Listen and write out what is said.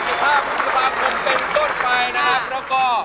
วันอาทิตย์๙๓๐นเป็นต้นไปแล้วก็